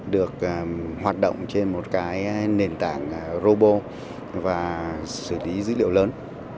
được hoạt động trên một cái nền tảng robot và xử lý dữ liệu lớn